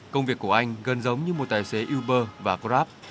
công việc của anh gần giống như một tài xế uber và grab